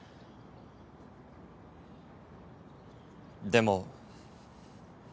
でも。